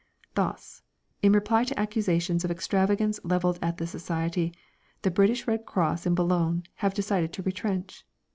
Thus, in reply to accusations of extravagance levelled at the Society, the British Red Cross in Boulogne have decided to retrench.